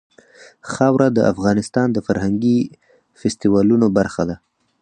خاوره د افغانستان د فرهنګي فستیوالونو برخه ده.